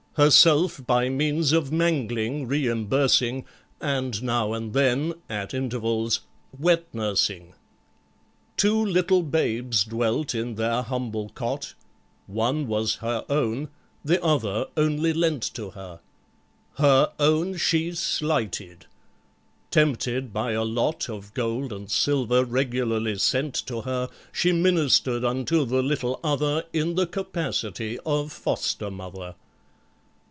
Herself by means of mangling reimbursing, And now and then (at intervals) wet nursing. "Two little babes dwelt in their humble cot: One was her own—the other only lent to her: Her own she slighted. Tempted by a lot Of gold and silver regularly sent to her, She ministered unto the little other In the capacity of foster mother.